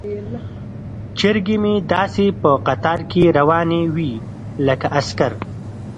چرګې مې داسې په قطار کې روانې وي لکه عسکر.